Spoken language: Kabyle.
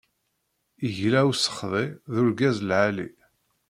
Igla, usexḍi, d urgaz lɛali.